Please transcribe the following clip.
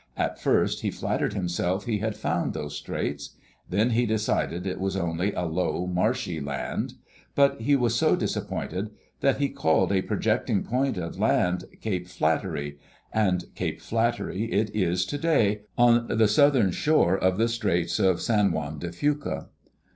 At first he flattered himself he had found those straits. Then he decided it was only a low, marshy land. But he was so disappointed that he called a projecting point of land Cape Flattery — and Cape Flattery it is today, on the southern shore of the Straits of San Juan de Fuca.